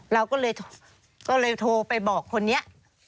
เราก็เลยโทรไปบอกคนนี้